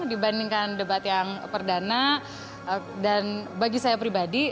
dibandingkan debat yang perdana dan bagi saya pribadi